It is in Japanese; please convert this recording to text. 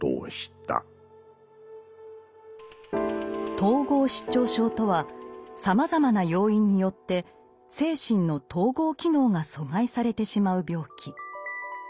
統合失調症とはさまざまな要因によって精神の統合機能が阻害されてしまう病気。